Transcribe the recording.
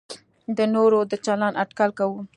د نورو د چلند اټکل کوو.